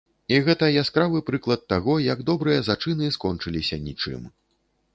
І гэта яскравы прыклад таго, як добрыя зачыны скончыліся нічым.